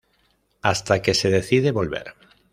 Hasta que se decide volver.